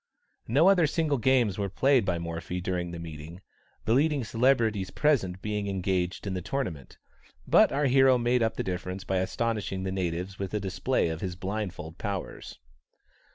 No other single games were played by Morphy during the meeting, the leading celebrities present being engaged in the tournament, but our hero made up the difference by astonishing the natives with a display of his blindfold powers.